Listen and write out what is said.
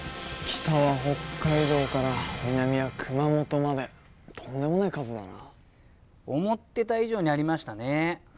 北は北海道から南は熊本までとんでもない数だな思ってた以上にありましたね